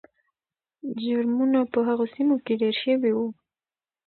جرمونه په هغو سیمو کې ډېر شوي وو.